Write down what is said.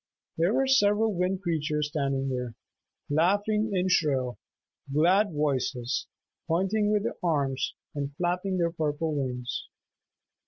There were several Wind Creatures standing there, laughing in shrill, glad voices, pointing with their arms, and flapping their purple wings.